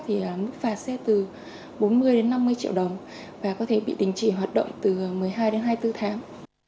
thì mức phạt sẽ từ bốn mươi đến năm mươi triệu đồng và có thể bị đình chỉ hoạt động từ một mươi hai đến hai mươi bốn tháng